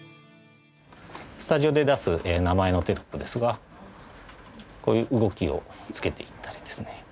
スタジオで出す名前のテロップですがこういう動きをつけていったりですね